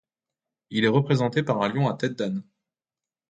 Il est représenté par un lion à tête d'âne.